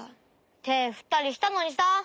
てふったりしたのにさ！